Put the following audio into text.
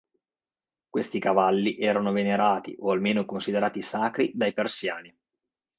Questi cavalli erano venerati o almeno considerati sacri dai persiani.